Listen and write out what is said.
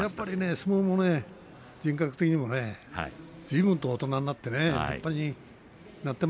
相撲も人格的にもずいぶん大人になってね。